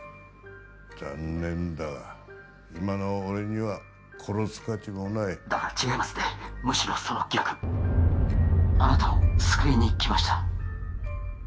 残念だが今の俺には殺す価値もないだから違いますってむしろその逆あなたを救いに来ました